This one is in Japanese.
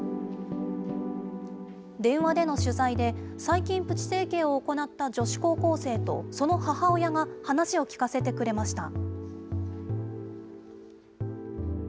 電話での取材で、最近、プチ整形を行った女子高校生と、その母親が、話を聞かせてくれました。